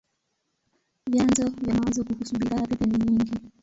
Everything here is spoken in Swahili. Vyanzo vya mawazo kuhusu bidhaa pepe ni nyingi.